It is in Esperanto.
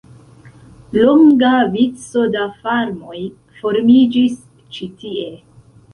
Longa vico da farmoj formiĝis ĉi tie.